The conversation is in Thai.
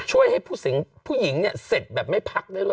ช่วยให้ผู้หญิงเศษแบบไม่พักได้หรือ